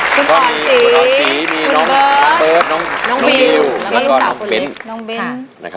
คุณอ่อนศรีคุณเบิร์ดน้องวิวแล้วก็น้องเบ้นท์